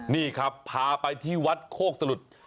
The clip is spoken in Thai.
นี่ครับพาไปที่วัดโฆกสรุทธิ์